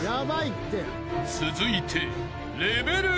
［続いて］